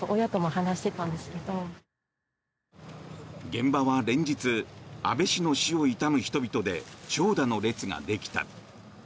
現場は連日安倍氏の死を悼む人々で長蛇の列ができた。